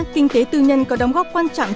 kinh tế tư nhân có đóng góp quan trọng